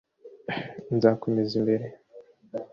nzakomeza imbere